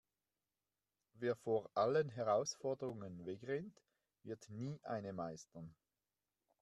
Wer vor allen Herausforderungen wegrennt, wird nie eine meistern.